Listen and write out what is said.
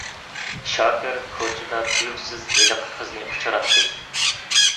شاكىر كوچىدا تۇيۇقسىز ھېلىقى قىزنى ئۇچراتتى.